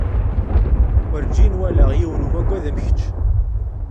Urǧin walaɣ yiwen umagad am kečč.